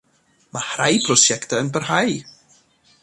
Mae rhai prosiectau yn parhau.